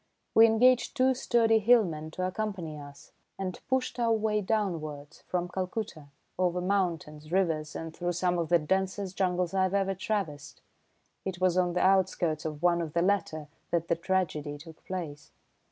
We engaged two sturdy hillmen to accompany us and pushed our way downwards from Calcutta over mountains, rivers and through some of the densest jungles I've ever traversed. It was on the outskirts of one of the latter that the tragedy took place.